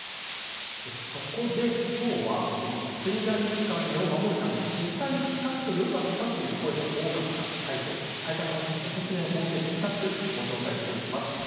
そこできょうは水害から身を守るために実際に使ってよかったという声が多かったサイト斉田さんおすすめのホームページを２つご紹介します。